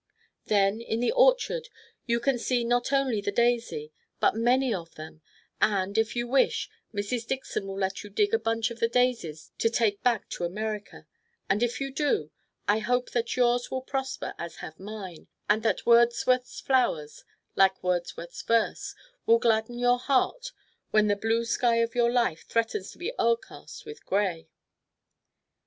Then in the orchard you can see not only "the daisy," but many of them, and, if you wish, Mrs. Dixon will let you dig a bunch of the daisies to take back to America; and if you do, I hope that yours will prosper as have mine, and that Wordsworth's flowers, like Wordsworth's verse, will gladden your heart when the blue sky of your life threatens to be o'ercast with gray.